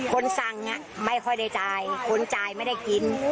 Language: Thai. คนสั่งไม่ค่อยได้จ่ายคนจ่ายไม่ได้กิน